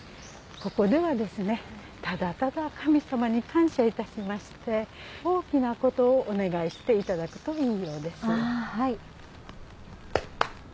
ここではただただ神様に感謝いたしまして大きなことをお願いしていただくといいようです。